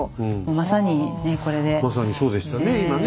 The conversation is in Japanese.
まさにそうでしたね。